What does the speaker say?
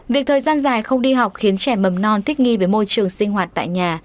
việc thời gian dài không đi học khiến trẻ mầm non thích nghi với môi trường sinh hoạt tại nhà